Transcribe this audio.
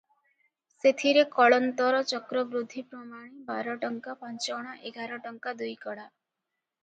ସେଥିରେ କଳନ୍ତର ଚକ୍ରବୃଦ୍ଧି ପ୍ରମାଣେ ବାରଟଙ୍କା ପାଞ୍ଚଅଣା ଏଗାର ଟଙ୍କା ଦୁଇକଡ଼ା